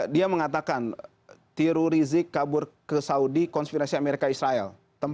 dia mengatakan tiru rizik kabur ke saudi konspirasi amerika israel